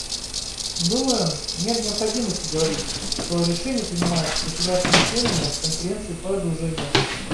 Думаю, нет необходимости говорить, что решения принимаются государствами-членами Конференции по разоружению.